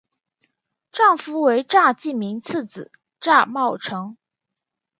丈夫为查济民次子查懋成。